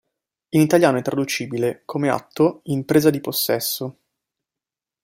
In italiano è traducibile, come atto, in "presa di possesso".